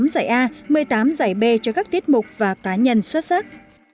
một mươi tám giải a một mươi tám giải b cho các tiết mục và tán nhân xuất sắc